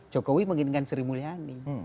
jokowi menginginkan sri mulyani